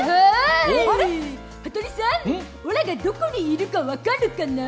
羽鳥さん、オラがどこにいるかわかるかな？